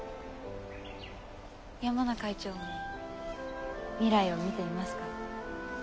山名会長も未来を見ていますか？